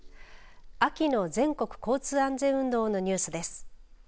秋の全国交通安全運動のニュースです。